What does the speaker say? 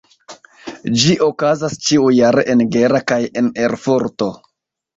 Ĝi okazas ĉiujare en Gera kaj en Erfurto.